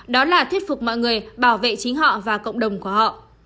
đó là thuyết phục mọi người bảo vệ chính họ và cộng đồng của họ